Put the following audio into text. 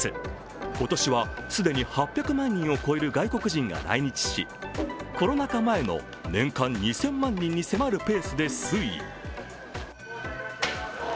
今年は既に８００万人を超える外国人が来日し、コロナ禍前の年間２０００万人に迫るペースで推移。